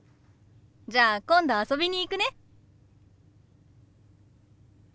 じゃあ今度遊びに行くね。